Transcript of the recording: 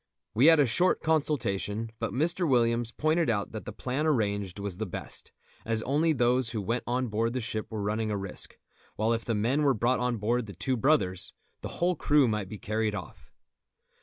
We had a short consultation, but Mr. Williams pointed out that the plan arranged was the best, as only those who went on board the ship were running a risk; while if the men were brought on board The Two Brothers the whole crew might be carried off.